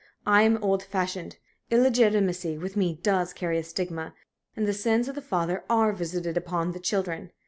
I am old fashioned. Illegitimacy with me does carry a stigma, and the sins of the fathers are visited upon the children.